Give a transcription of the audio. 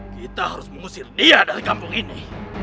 kita harus mengusir dia dari kampung ini